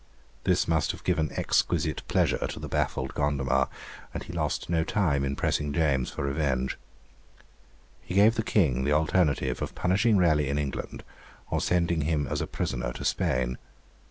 This must have given exquisite pleasure to the baffled Gondomar, and he lost no time in pressing James for revenge. He gave the King the alternative of punishing Raleigh in England or sending him as a prisoner to Spain.